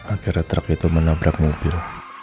akhirnya truk itu menabrak mobil